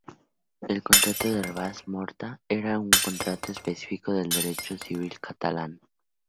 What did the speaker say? El contrato de "rabassa morta" era un contrato específico del derecho civil catalán.